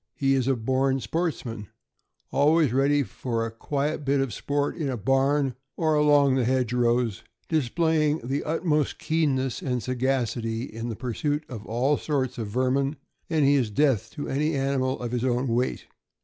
He is a born sportsman, always ready for a quiet bit of sport in a barn, or along the hedge rows, displaying the utmost keenness and sagacity in the pursuit of all sorts of vermin; and he is death to any animal of his own weight.